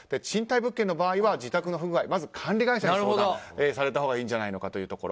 賃貸物件の場合は自宅の不具合まず管理会社に相談されたほうがいいんじゃないかと。